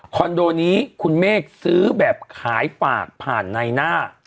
โดนี้คุณเมฆซื้อแบบขายฝากผ่านในหน้า